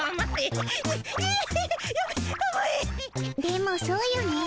でもそうよね。